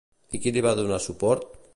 I qui li va donar suport?